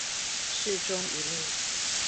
市中一路